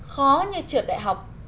khó như trượt đại học